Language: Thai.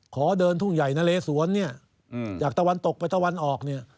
ขอเดินทุ่งใหญ่นะเลสวนเนี่ยจากตะวันตกไปตะวันออกเนี่ย